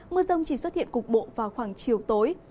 mưa rông chỉ xuất hiện cục bộ vào khoảng chiều tối